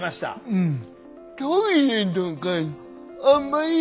うん。